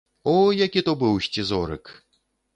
О, які то быў сцізорык!